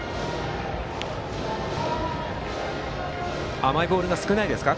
甘いボールが少ないですか？